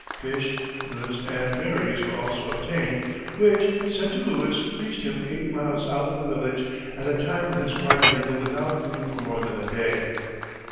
Fish, roots, and berries were also obtained, which, sent to Lewis, reached him eight miles out of the village at a time when his party had been without food for more than a day.